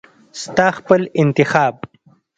ستا خپل انتخاب .